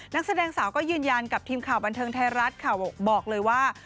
นักแสดงสาวก็ยืนยันกับทีมข่าวบันเทิงไทยรัฐค่ะบอกเลยว่า